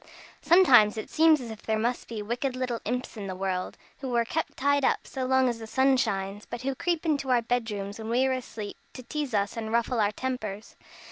Sometimes it seems as if there must be wicked little imps in the world, who are kept tied up so long as the sun shines, but who creep into our bed rooms when we are asleep, to tease us and ruffle our tempers.